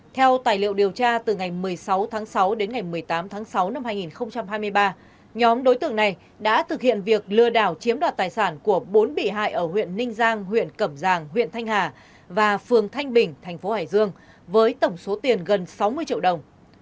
theo tài liệu điều tra từ ngày một mươi sáu tháng sáu đến ngày một mươi tám tháng sáu năm hai nghìn hai mươi ba nhóm đối tượng này đã thực hiện việc lừa đảo chiếm đoạt tài sản của bốn bị hại ở huyện ninh giang huyện cẩm giang huyện thanh hà và phường thanh bình thành phố hải dương với tổng số tiền gần sáu mươi triệu đồng